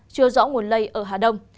chưa rõ nguồn lây ở hà đông